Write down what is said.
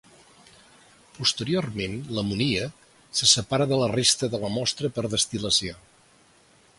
Posteriorment, l'amoníac se separa de la resta de la mostra per destil·lació.